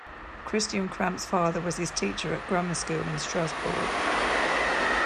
Christian Kramp's father was his teacher at grammar school in Strasbourg.